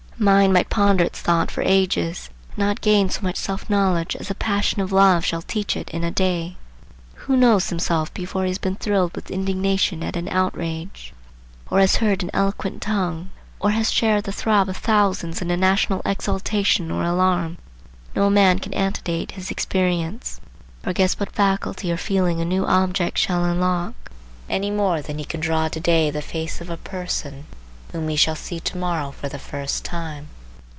A mind might ponder its thought for ages and not gain so much self knowledge as the passion of love shall teach it in a day. Who knows himself before he has been thrilled with indignation at an outrage, or has heard an eloquent tongue, or has shared the throb of thousands in a national exultation or alarm? No man can antedate his experience, or guess what faculty or feeling a new object shall unlock, any more than he can draw to day the face of a person whom he shall see to morrow for the first time.